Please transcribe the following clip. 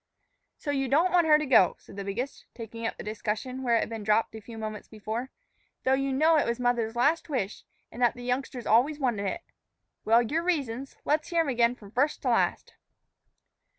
"So you don't want her to go," said the biggest, taking up the discussion where it had been dropped a few moments before; "though you know it was mother's last wish, an' that the youngster's always wanted it. Well, your reasons; let's hear 'em again from first to last."